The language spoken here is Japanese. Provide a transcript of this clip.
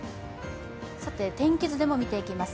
天気図でも見ていきます。